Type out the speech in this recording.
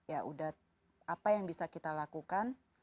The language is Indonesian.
ya udah apa yang bisa kita lakukan